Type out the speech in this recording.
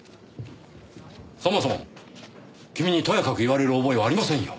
そもそも君にとやかく言われる覚えはありませんよ。